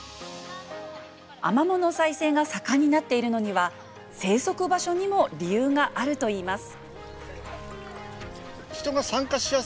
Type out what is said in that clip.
アマモの再生が盛んになっているのには生息場所にも理由があるといいます。